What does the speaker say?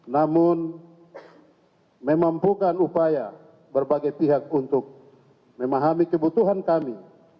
namun memampukan upaya berbagai pihak untuk memahami kebutuhan kami